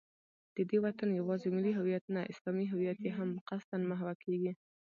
د دې وطن یوازې ملي هویت نه، اسلامي هویت یې هم قصدا محوه کېږي